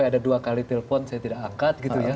ada dua kali telpon saya tidak angkat gitu ya